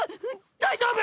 大丈夫！？